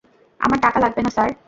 আমার টাকা লাগবে না, স্যার।